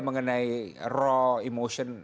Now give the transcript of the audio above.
mengenai raw emotion